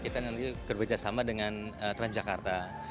kita nanti bekerja sama dengan transjakarta